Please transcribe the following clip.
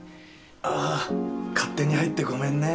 ああ勝手に入ってごめんね。